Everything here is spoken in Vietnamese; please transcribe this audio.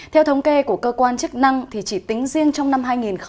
theo thống kê của cơ quan chức năng thì chỉ tính riêng trong năm hai nghìn một mươi chín